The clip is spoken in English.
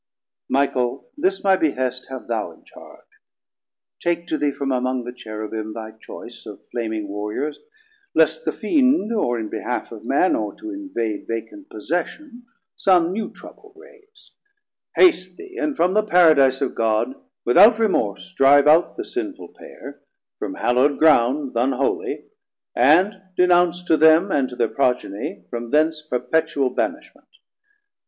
Michael, this my behest have thou in charge, Take to thee from among the Cherubim 100 Thy choice of flaming Warriours, least the Fiend Or in behalf of Man, or to invade Vacant possession som new trouble raise: Hast thee, and from the Paradise of God Without remorse drive out the sinful Pair, From hallowd ground th' unholie, and denounce To them and to thir Progenie from thence Perpetual banishment.